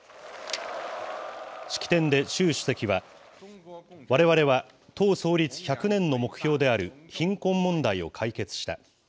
式典で習主席は、われわれは党創立１００年の目標である貧困問題を解決した。